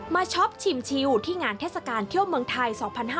ช็อปชิมชิวที่งานเทศกาลเที่ยวเมืองไทย๒๕๕๙